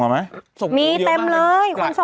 มีเต็มเลย